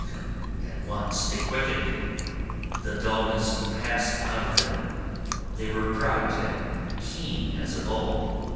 At once they quickened, the dulness passed out of them; they were bright and keen as of old.